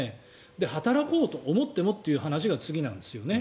で、働こうと思ってもという話が次なんですよね。